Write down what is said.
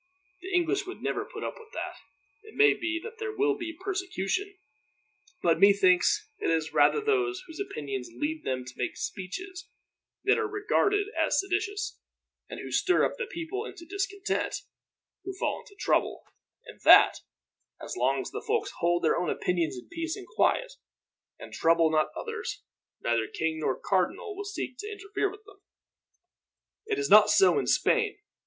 The English would never put up with that. It may be that there will be persecution, but methinks it is rather those whose opinions lead them to make speeches that are regarded as seditious, and who stir up the people into discontent, who fall into trouble; and that, as long as folks hold their own opinions in peace and quiet, and trouble not others, neither king nor cardinal will seek to interfere with them. "It is not so in Spain.